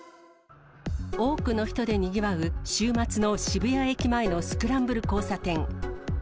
多くの人でにぎわう、週末の渋谷駅前のスクランブル交差点。